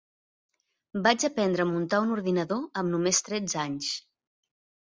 Vaig aprendre a muntar un ordinador amb només tretze anys.